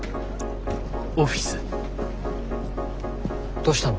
どうしたの？